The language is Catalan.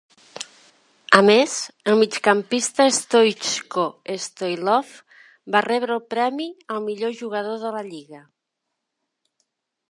A més, el migcampista Stoycho Stoilov va rebre el premi al millor jugador de la Lliga.